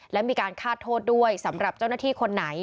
และมีการฆาตโทษด้วยสำหรับเจ้าหน้าที่คนไหน